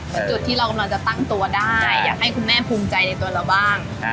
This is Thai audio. เป็นจุดที่เรากำลังจะตั้งตัวได้อยากให้คุณแม่ภูมิใจในตัวเราบ้าง